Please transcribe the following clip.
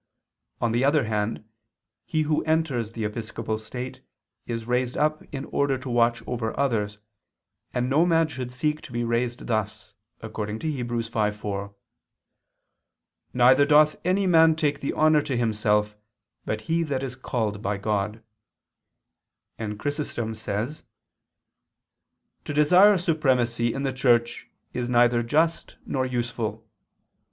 On the other hand, he who enters the episcopal state is raised up in order to watch over others, and no man should seek to be raised thus, according to Heb. 5:4, "Neither doth any man take the honor to himself, but he that is called by God": and Chrysostom says: "To desire supremacy in the Church is neither just nor useful.